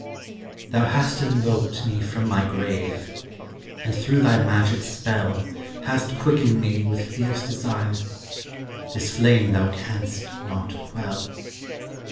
Thou hast invoked me from my grave, And through thy magic spell Hast quickened me with fierce desire, This flame thou canst not quell.